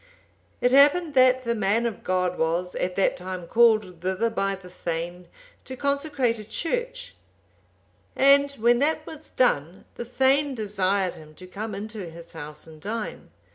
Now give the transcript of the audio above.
It happened that the man of God was, at that time, called thither by the thegn to consecrate a church; and when that was done, the thegn desired him to come into his house and dine.